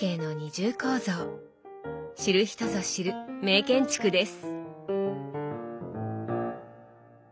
知る人ぞ知る名建築です。